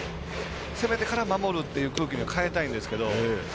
攻めてから守るという空気に変えたいんですけど。